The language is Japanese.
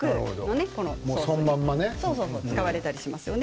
使われたりします。